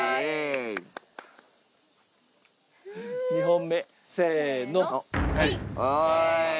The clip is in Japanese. ２本目せの。